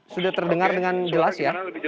sudah terdengar dengan jelas ya